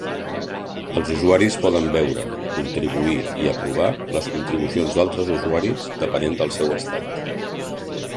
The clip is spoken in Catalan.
Els usuaris poden veure, contribuir i aprovar les contribucions d'altres usuaris, depenent del seu estat.